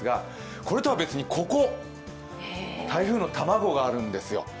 これとは別にここ、台風の卵があるんですよ。